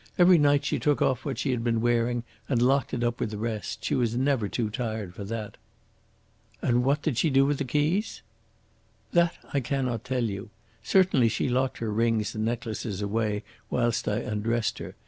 Every night she took off what she had been wearing and locked it up with the rest. She was never too tired for that." "And what did she do with the keys?" "That I cannot tell you. Certainly she locked her rings and necklaces away whilst I undressed her.